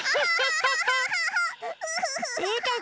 うーたん